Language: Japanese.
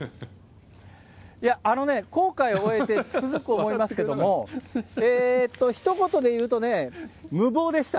航海を終えて、つくづく思いますけれども、ひと言で言うと、無謀でした。